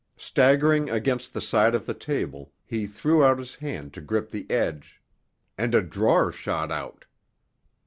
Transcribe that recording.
Staggering against the side of the table, he threw out his hand to grip the edge—and a drawer shot out!